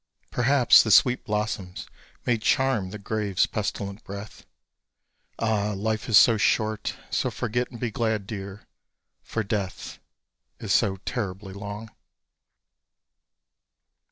Perhaps the sweet blossoms may charm the grave's pestilent breath. Ah! life is so short; so forget and be glad, dear for death Is so terribly long.